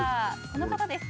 この方です。